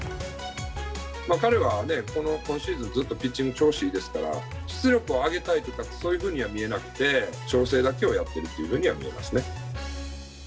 彼は今シーズン、ずっとピッチングちょうしがいいですから出力を上げたいとか、そういうふうには見えなくて、調整だけをやってるっていうふうには見えますね。